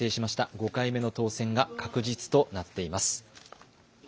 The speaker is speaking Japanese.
５回目の当選が確実となっています。